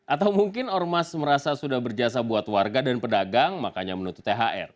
atau mungkin ormas merasa sudah berjasa buat warga dan pedagang makanya menutup thr